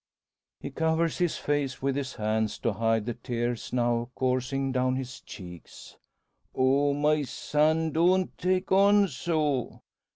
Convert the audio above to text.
He covers his face with his hands to hide the tears now coursing down his cheeks. "Oh, my son! don't take on so.